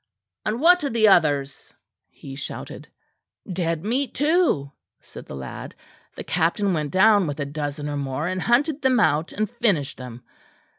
"And what of the others?" he shouted. "Dead meat too," said the lad "the captain went down with a dozen or more and hunted them out and finished them.